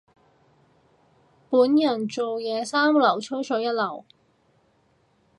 本人做嘢三流，吹水一流。